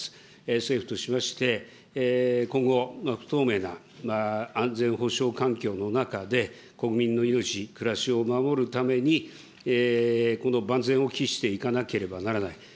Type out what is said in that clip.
政府としまして、今後、不透明な安全保障環境の中で、国民の命、暮らしを守るためにこの万全を期していかなければならない。